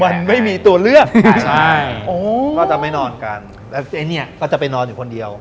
มันไม่มีตัวเลือกพวกเขาจะไม่นอนกันแต่ว่านี่แบบจะไปนอนอยู่คนเดียว